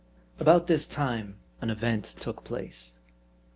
ABOUT this time an event took place.